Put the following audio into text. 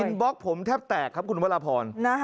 คุณบล็อกผมแทบแตกครับคุณวรพร